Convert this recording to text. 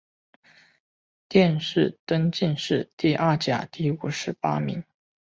殿试登进士第二甲第五十八名。